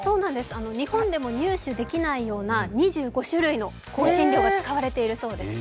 日本でも入手できないような２５種類の香辛料が使われているそうです。